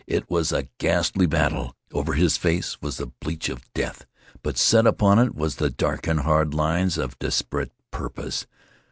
It was a ghastly battle. Over his face was the bleach of death, but set upon it was the dark and hard lines of desperate purpose.